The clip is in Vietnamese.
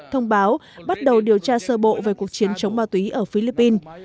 thông báo bắt đầu điều tra sơ bộ về cuộc chiến chống ma túy ở philippines